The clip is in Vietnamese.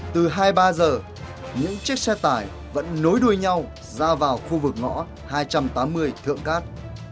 từ hai mươi ba h những chiếc xe tải vẫn nối đuôi nhau ra vào khu vực ngõ hai trăm tám mươi thượng cát